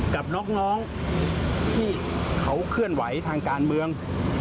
กับน้องที่เขาเคลื่อนไหวทางการเมือง